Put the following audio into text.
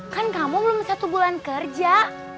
kan kamu belum satu bulan kerja